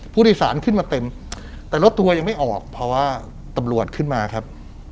ผู้โดยสารขึ้นมาเต็มแต่รถทัวร์ยังไม่ออกเพราะว่าตำรวจขึ้นมาครับ